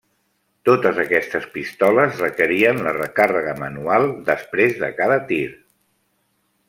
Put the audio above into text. Totes aquestes pistoles requerien la recàrrega manual després de cada tir.